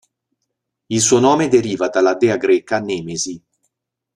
Il suo nome deriva dalla dea greca Nemesi.